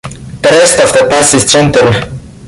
The rest of the pass is gentle.